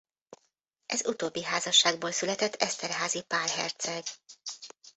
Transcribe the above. Ez utóbbi házasságból született Esterházy Pál herceg.